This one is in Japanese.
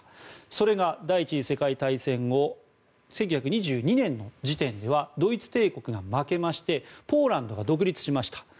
それが第１次世界大戦後１９２２年の時点ではドイツ帝国が負けましてポーランドが独立しました。